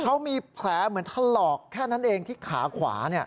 เขามีแผลเหมือนถลอกแค่นั้นเองที่ขาขวา